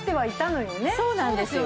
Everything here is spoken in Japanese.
そうなんですよ。